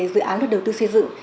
dự án luật đầu tư xây dựng